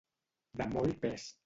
De molt pes.